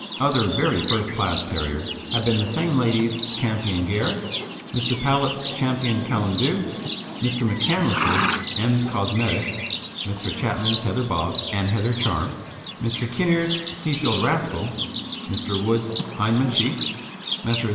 Other very first class terriers have been the same lady's Ch. Gair, Mr. Powlett's Ch. Callum Dhu, Mr. McCandlish's Ems Cosmetic, Mr. Chapman's Heather Bob and Heather Charm, Mr. Kinnear's Seafield Rascal, Mr. Wood's Hyndman Chief, Messrs.